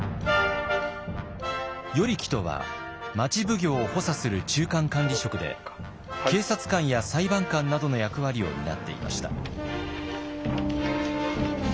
与力とは町奉行を補佐する中間管理職で警察官や裁判官などの役割を担っていました。